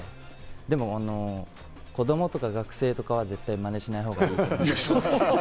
でも子供とか学生とかは、絶対マネしないほうがいいと思います。